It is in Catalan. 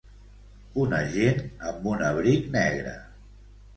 un agent amb un abric negre.